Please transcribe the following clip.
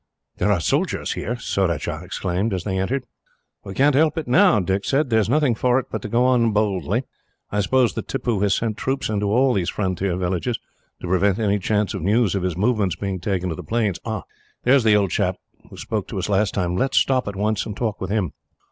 "There are soldiers here," Surajah exclaimed, as they entered. "We can't help it, now," Dick said. "There is nothing for it, but to go on boldly. I suppose that Tippoo has sent troops into all these frontier villages, to prevent any chance of news of his movements being taken to the plains. "Ah! There is the old chap who spoke to us last time. Let us stop at once, and talk with him."